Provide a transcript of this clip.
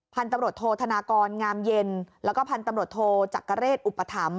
พันธุ์ตำรวจโทษธนากรงามเย็นแล้วก็พันธุ์ตำรวจโทจักรเรศอุปถัมภ